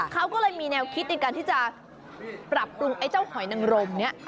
เขาก็เลยมีแนวคิดในการที่จะปรับปรุงไอ้เจ้าหอยนังรมนี้